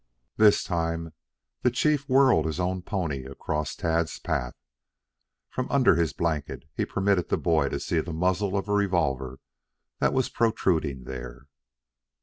This time the chief whirled his own pony across Tad's path. From under his blanket, he permitted the boy to see the muzzle of a revolver that was protruding there.